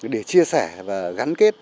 để chia sẻ và gắn kết những điều kiện tốt nhất